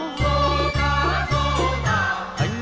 ai về thanh hoa